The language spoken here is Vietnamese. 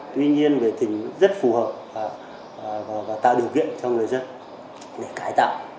tuy nhiên về tình rất phù hợp và tạo điều kiện cho người dân để cải tạo